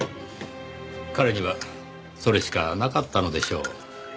彼にはそれしかなかったのでしょう。